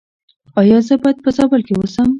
ایا زه باید په زابل کې اوسم؟